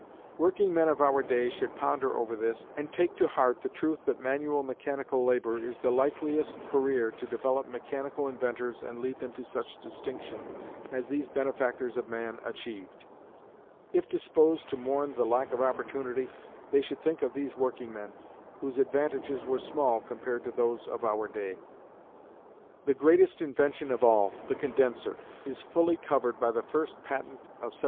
Workingmen of our day should ponder over this, and take to heart the truth that manual mechanical labor is the likeliest career to develop mechanical inventors and lead them to such distinction as these benefactors of man achieved. If disposed to mourn the lack of opportunity, they should think of these working men, whose advantages were small compared to those of our day. The greatest invention of all, the condenser, is fully covered by the first patent of 1769.